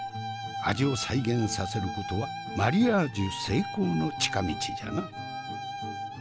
味を再現させることはマリアージュ成功の近道じゃな。